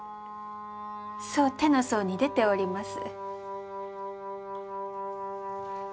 そう、手の相に出ております。